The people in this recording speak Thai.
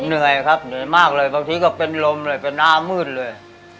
เหนื่อยครับเหนื่อยมากเลยบางทีก็เป็นลมเลยเป็นหน้ามืดเลย